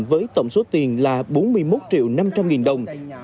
với tổng số tiền là bốn mươi một triệu năm trăm linh nghìn đồng